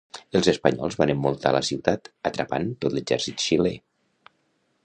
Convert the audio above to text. Els espanyols van envoltar la ciutat, atrapant tot l'exèrcit xilè.